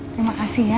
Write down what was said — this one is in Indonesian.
terima kasih ya